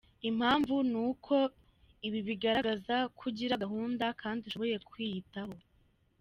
Impamvu ni uko ibi bigaragaza ko ugira gahunda kandi ushoboye kwiyitaho.